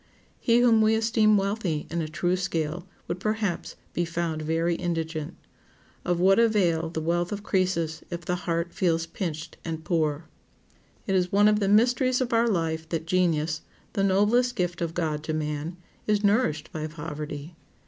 He whom we esteem wealthy in a true scale would perhaps be found very indigent. Of what avail the wealth of Crœsus if the heart feels pinched and poor? It is one of the mysteries of our life that genius, the noblest gift of God to man, is nourished by poverty.